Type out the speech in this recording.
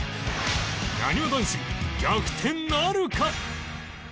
なにわ男子逆転なるか！？